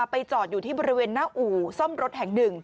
ไปจอดอยู่ที่บริเวณหน้าอู่ซ่อมรถแห่งหนึ่ง